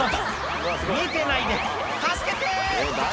「見てないで助けて！」